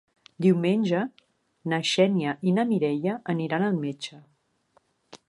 Diumenge na Xènia i na Mireia aniran al metge.